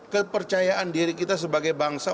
kepercayaan diri kita sebagai bangsa